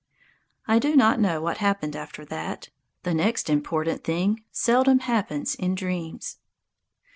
I do not know what happened after that. The next important thing seldom happens in dreams.